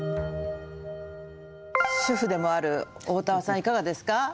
主婦でもあるおおたわさん、いかがですか？